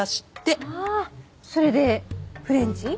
ああそれでフレンチ？